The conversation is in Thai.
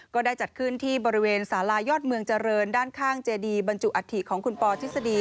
ก็ได้จัดขึ้นที่บริเวณสาลายอดเมืองเจริญด้านข้างเจดีบรรจุอัฐิของคุณปอทฤษฎี